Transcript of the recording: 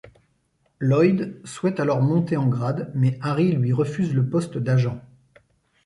Lloyd souhaite alors monter en grade mais Ari lui refuse le poste d'agent.